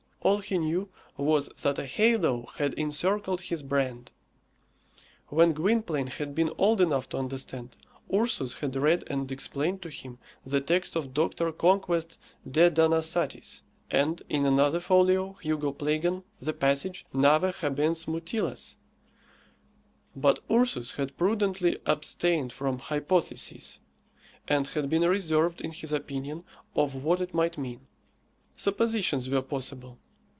All he knew was that a halo had encircled his brand. When Gwynplaine had been old enough to understand, Ursus had read and explained to him the text of Doctor Conquest de Denasatis, and in another folio, Hugo Plagon, the passage, Naves habensmutilas; but Ursus had prudently abstained from "hypotheses," and had been reserved in his opinion of what it might mean. Suppositions were possible.